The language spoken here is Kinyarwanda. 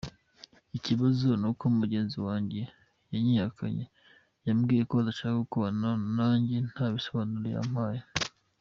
Ikibazo ni uko mugenzi wanjye yanyihakanye yambwiye ko adashaka gukorana nanjye, nta bisobanuro yampaye.